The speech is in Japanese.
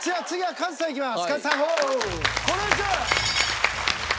カズさんいきますよ！